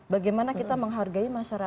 bagaimana kita menghargai masyarakat